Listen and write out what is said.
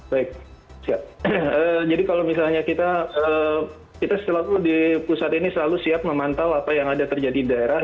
baik siap jadi kalau misalnya kita selalu di pusat ini selalu siap memantau apa yang ada terjadi di daerah